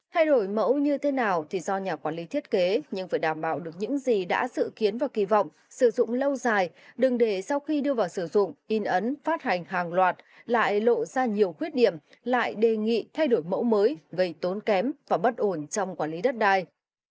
thay đổi mẫu như thế nào thì do nhà quản lý thiết kế nhưng phải đảm bảo được những gì đã sự kiến và kỳ vọng sử dụng lâu dài đừng để sau khi đưa vào sử dụng in ấn phát hành hàng loạt lại lộ ra nhiều khuyết điểm lại đề nghị thay đổi mẫu mới gây tốn kém và bất ổn trong quản lý đất đai